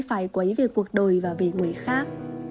phải quấy về cuộc đời và về người khác